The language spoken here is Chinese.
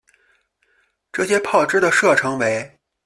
这些炮支的射程为。